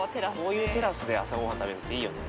こういうテラスで朝ごはん食べるのっていいよね。